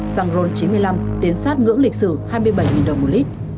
xăng ron chín mươi năm tiến sát ngưỡng lịch sử hai mươi bảy đồng một lít